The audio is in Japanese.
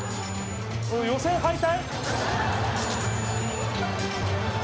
予選敗退！？